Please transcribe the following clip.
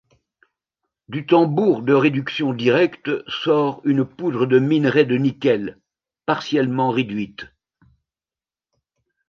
Du tambour de réduction directe sort une poudre de minerai de nickel, partiellement réduite.